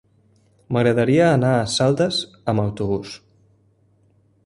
M'agradaria anar a Saldes amb autobús.